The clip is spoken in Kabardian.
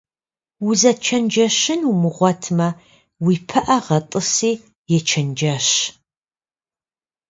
Узэчэнджэщын умыгъуэтмэ, уи пыӀэ гъэтӏыси ечэнджэщ.